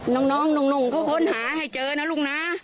น้องนุ่งก็ค้นหาให้เจอนะลูกน้า